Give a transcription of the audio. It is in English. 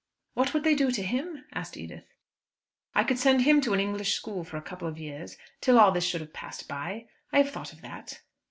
"What would they do to him?" asked Edith. "I could send him to an English school for a couple of years, till all this should have passed by. I have thought of that."